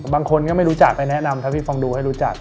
บางคนก็ไม่รู้จักไปแนะนำถ้าพี่ฟังดูให้รู้จัก